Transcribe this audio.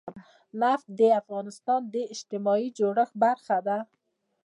نفت د افغانستان د اجتماعي جوړښت برخه ده.